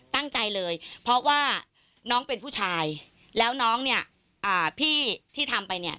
ตั้งใจเลยเพราะว่าน้องเป็นผู้ชายแล้วน้องเนี่ยอ่าพี่ที่ทำไปเนี่ย